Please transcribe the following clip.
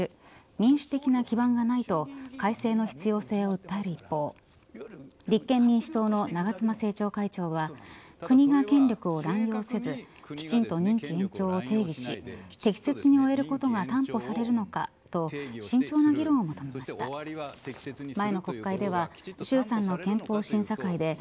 民主的な基盤がないと改正の必要性を訴える一方立憲民主党の長妻政調会長は国が権力を乱用せずきちんと任期延長を定義し適切に終えることが担保されるのかと透明感のカギ光の量に着目はじまる大人の透明感とハリに満ちた肌へ